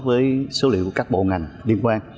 với số liệu của các bộ ngành liên quan